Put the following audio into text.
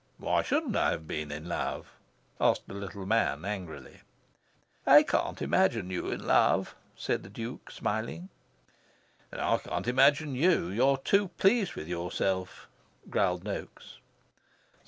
"Why shouldn't I have been in love?" asked the little man, angrily. "I can't imagine you in love," said the Duke, smiling. "And I can't imagine YOU. You're too pleased with yourself," growled Noaks.